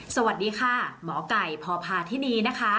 สวัสดีค่ะหมอไก่พอพาธินี